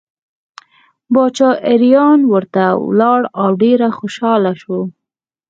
باچا اریان ورته ولاړ او ډېر خوشحاله شو.